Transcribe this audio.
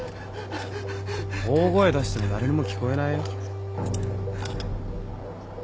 大声出しても誰にも聞こえないよ。